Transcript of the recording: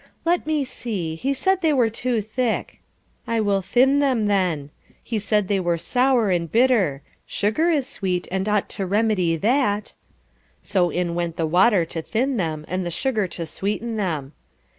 "Let me see, he said they were too thick; I will thin them then. He said they were sour and bitter; sugar is sweet and ought to remedy that." So in went the water to thin them, and the sugar to sweeten them.